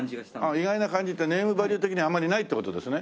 「意外な感じ」ってネームバリュー的にあんまりないって事ですね？